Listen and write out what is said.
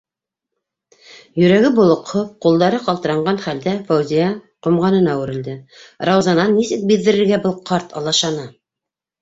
Йөрәге болоҡһоп, ҡулдары ҡалтыранған хәлдә Фәүзиә ҡомғанына үрелде: Раузанан нисек биҙҙерергә был ҡарт алашаны?